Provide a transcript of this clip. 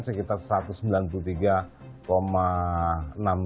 sekitar satu ratus sembilan puluh tiga enam triliun